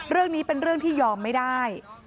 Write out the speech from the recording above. เรื่องนี้เป็นเรื่องที่ยอมไม่ได้